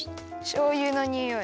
しょうゆのにおい。